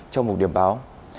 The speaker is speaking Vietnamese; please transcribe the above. trong một điểm báo